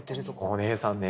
お姉さんね。